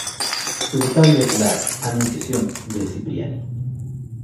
Su retablo es la "Anunciación" de Cipriani.